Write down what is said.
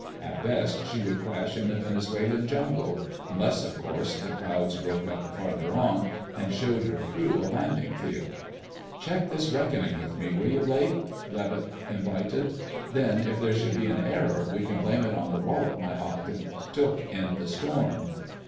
At best she would crash in the Venezuelan jungle—unless, of course, the clouds broke up farther on and showed her crew a landing field. "Check this reckoning with me, will you, Blake?" Levitt invited. "Then if there should be an error we can blame it on the wallop my octant took in the storm."